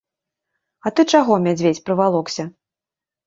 А ты чаго, мядзведзь, прывалокся?